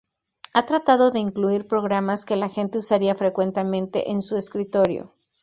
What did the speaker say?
Ha tratado de incluir programas que la gente usaría frecuentemente en su escritorio.